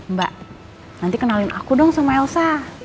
mbak nanti kenalin aku dong sama elsa